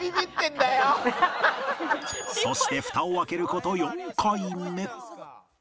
そしてフタを開ける事４回目